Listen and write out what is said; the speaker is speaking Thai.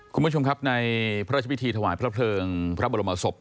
คุณผู้ชมครับในพระราชพิธีถวายพระเพลิงพระบรมศพ